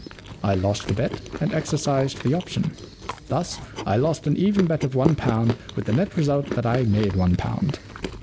I lost the bet and exercised the option. Thus, I lost an even bet of one pound with the net result that I made one pound.